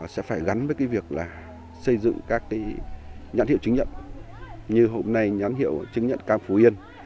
sẽ phải gắn với việc xây dựng các nhãn hiệu chứng nhận như hôm nay nhãn hiệu chứng nhận cam phú yên